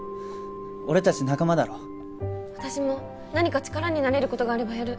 俺達仲間だろ私も何か力になれることがあればやる